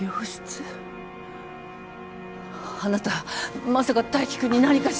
あなたまさか泰生君に何かしよう。